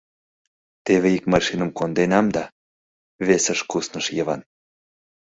— Теве ик машиным конденам да, — весыш кусныш Йыван.